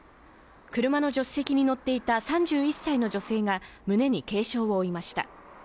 車の助手席に乗っていた３１歳の女性が胸に軽傷を負いました。